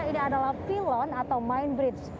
ini adalah pilon atau mind bridge